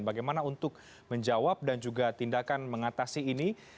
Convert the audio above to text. bagaimana untuk menjawab dan juga tindakan mengatasi ini